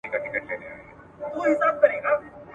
ما سپارلی د هغه مرستي ته ځان دی ,